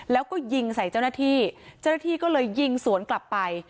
แล้วก็ยิงใส่เจ้าหน้าที่เจ้าหน้าที่ก็เลยยิงสวนกลับไป